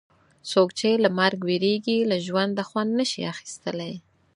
څوک چې له مرګ وېرېږي له ژونده خوند نه شي اخیستلای.